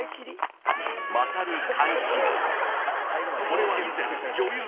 これは以前女優